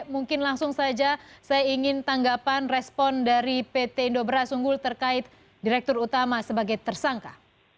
mungkin langsung saja saya ingin tanggapan respon dari pt indobra sunggul terkait direktur utama sebagai tersangka